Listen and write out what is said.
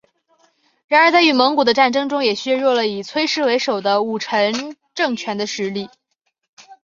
然而在与蒙古的战争中也削弱了以崔氏为首的武臣政权的实力。